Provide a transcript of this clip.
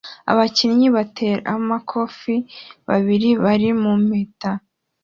Abakinnyi bateramakofe babiri bari mu mpeta